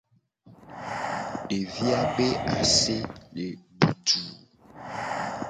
Devi a be ase le butuu.